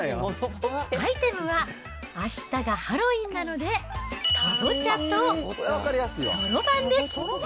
アイテムは、あしたがハロウィンなので、かぼちゃとそろばんです。